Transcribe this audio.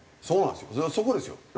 そうなんですよ。